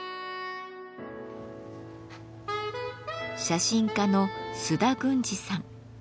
写真家の須田郡司さん。